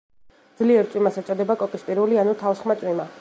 ძლიერ წვიმას ეწოდება კოკისპირული ანუ თავსხმა წვიმა.